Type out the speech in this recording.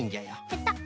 ペタッ。